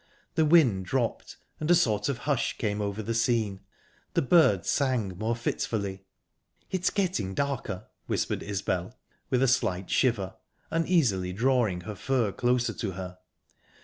The wind dropped, and a sort of hush came over the scene. The birds sang more fitfully. "It's getting darker," whispered Isbel, with a slight shiver, uneasily drawing her fur closer to her.